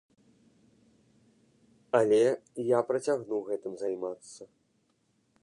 Але я працягну гэтым займацца.